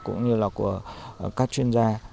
cũng như là của các chuyên gia